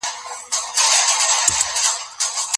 که کلمې سمي ولیکل سي نو جمله بشپړیږي.